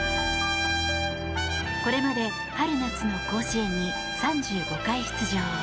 これまで春夏の甲子園に３５回出場。